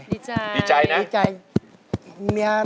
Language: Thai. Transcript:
ดีใจนะดีใจดีใจดีใจดีใจ